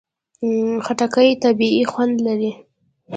خټکی طبیعي خوند لري.